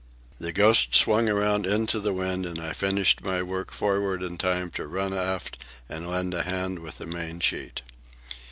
The Ghost swung around into the wind, and I finished my work forward in time to run aft and lend a hand with the mainsheet.